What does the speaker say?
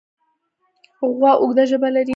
غوا اوږده ژبه لري.